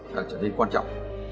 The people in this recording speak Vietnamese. càng trở nên quan trọng